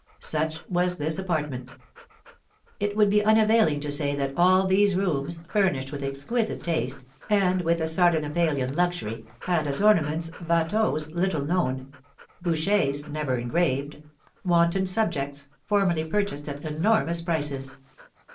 Such was this apartment. It would be unavailing to say that all these rooms, furnished with exquisite taste, and with a Sardanapalian luxury, had as ornaments Watteaus little known; Bouchers never engraved; wanton subjects, formerly purchased at enormous prices.